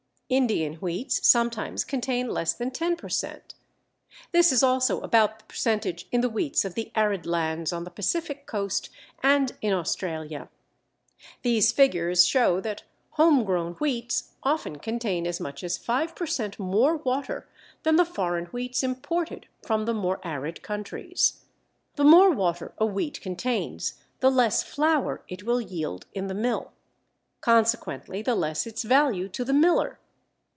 Indian wheats sometimes contain less than 10 per cent. This is also about the percentage in the wheats of the arid lands on the Pacific coast and in Australia. These figures show that home grown wheats often contain as much as 5 per cent. more water than the foreign wheats imported from the more arid countries. The more water a wheat contains the less flour it will yield in the mill. Consequently the less its value to the miller.